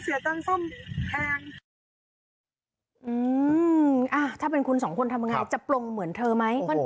ถ้าเป็นคุณสองคนทำยังไงจะปลงเหมือนเธอไหม